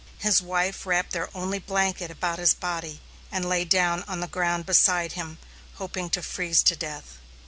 His wife wrapped their only blanket about his body, and lay down on the ground beside him, hoping to freeze to death.